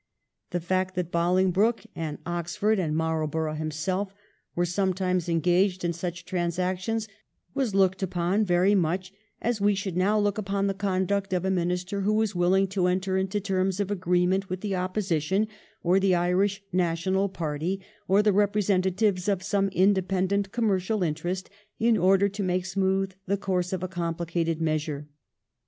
The fact that Bolingbroke, and 1702 14 A NEW CHAPTEK IN HISTOEY. 407 Oxford, and Marlborough himself, were sometimes engaged in such transactions was looked upon very much as we should now look upon the conduct of a Minister who was willing to enter into terms of agreement with the Opposition, or the Irish National Party, or the representatives of some independent commercial interest, in order to make smooth the course of a complicated measure.